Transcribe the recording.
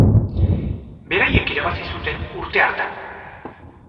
Beraiek irabazi zuten urte hartan.